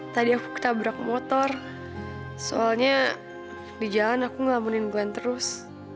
tadi aku ketabrak motor soalnya di jalan aku ngelabuhinguan terus